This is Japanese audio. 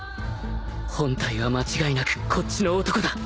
本体は間違いなくこっちの男だ